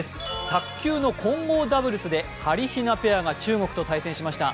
卓球の混合ダブルスではりひなペアが中国と対戦しました。